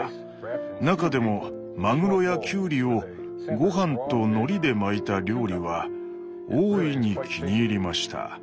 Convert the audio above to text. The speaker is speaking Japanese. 中でもマグロやキュウリをごはんとのりで巻いた料理は大いに気に入りました。